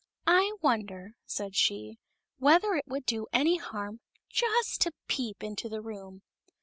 " I wonder," said she, " whether it would do any harm just to peep into the room